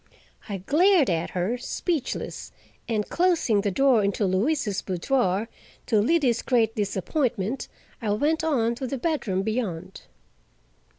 I glared at her, speechless, and closing the door into Louise's boudoir, to Liddy's great disappointment, I went on to the bedroom beyond.